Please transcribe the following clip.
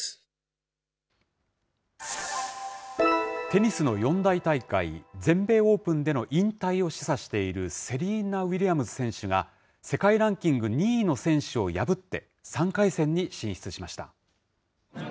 テニスの四大大会、全米オープンでの引退を示唆しているセリーナ・ウィリアムズ選手が、世界ランキング２位の選手を破って、３回戦に進出しました。